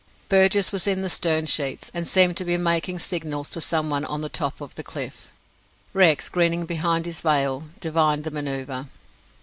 Burgess was in the stern sheets, and seemed to be making signals to someone on the top of the cliff. Rex, grinning behind his veil, divined the manoeuvre.